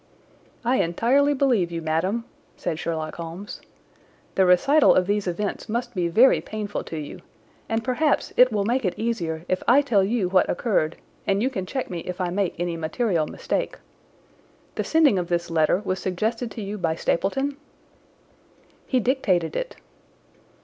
"I entirely believe you, madam," said Sherlock Holmes. "The recital of these events must be very painful to you, and perhaps it will make it easier if I tell you what occurred, and you can check me if I make any material mistake. The sending of this letter was suggested to you by Stapleton?" "He dictated it."